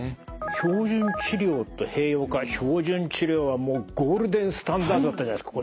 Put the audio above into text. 標準治療はもうゴールデンスタンダードだったじゃないですか。